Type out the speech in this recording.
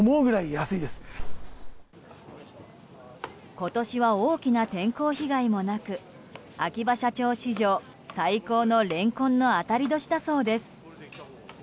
今年は大きな天候被害もなく秋葉社長史上、最高のレンコンの当たり年だそうです。